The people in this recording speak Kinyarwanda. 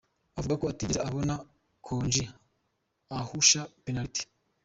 Avuga ko atigeze abona Gangi ahusha penaliti.